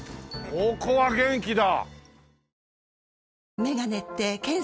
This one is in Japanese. ここは元気だ！